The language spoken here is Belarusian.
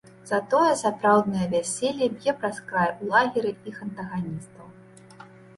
Затое сапраўднае вяселле б'е праз край у лагеры іх антаганістаў.